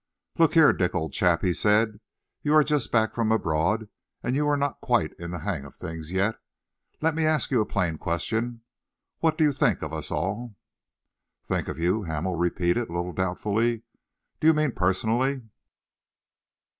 "Look here, Dick, old chap," he said, "you are just back from abroad and you are not quite in the hang of things yet. Let me ask you a plain question. What do you think of us all?" "Think of you?" Hamel repeated, a little doubtfully. "Do you mean personally?"